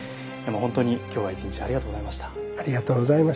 本当に今日は一日ありがとうございました。